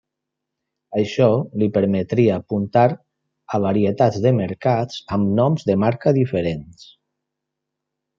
Això li permetria apuntar a varietats de mercats amb noms de marca diferents.